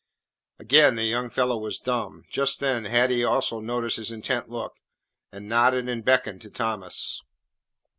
Again the young fellow was dumb. Just then Hattie also noticed his intent look, and nodded and beckoned to Thomas.